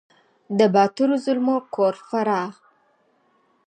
د باتور زلمو کور فراه